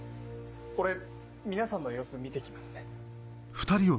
俺皆さんの様子見てきますね。